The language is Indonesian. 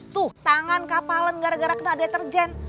tuh tangan kapalan gara gara kena deterjen